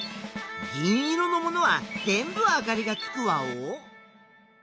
銀色のものはぜんぶあかりがつくワオ？